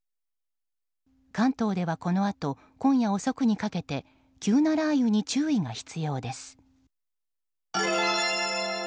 関東ではこのあと今夜遅くにかけて急な雷雨に注意が必要です。